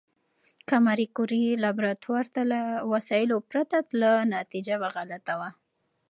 که ماري کوري لابراتوار ته له وسایلو پرته لاړه، نتیجه به غلطه وي.